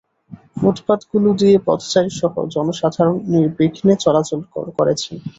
ফুটপাতগুলো দিয়ে পথচারীসহ জনসাধারণ নির্বিঘ্নে চলাচল করেছেন।